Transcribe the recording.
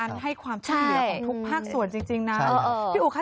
การให้ความช่วยเหลือของทุกภาคส่วนจริงนะ